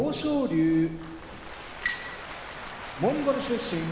龍モンゴル出身